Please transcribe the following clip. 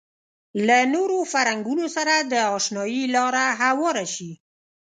له نورو فرهنګونو سره د اشنايي لاره هواره شي.